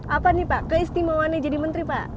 apa nih pak keistimewaannya jadi menteri pak